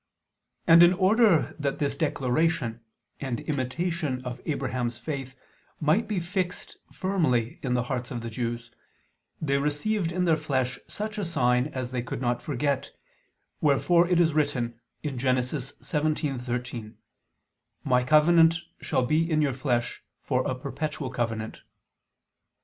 And in order that this declaration, and imitation of Abraham's faith, might be fixed firmly in the hearts of the Jews, they received in their flesh such a sign as they could not forget, wherefore it is written (Gen. 17:13): "My covenant shall be in your flesh for a perpetual covenant."